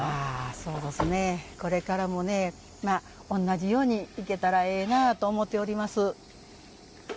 そうどすねこれからも同じように行けたらええなと思っております。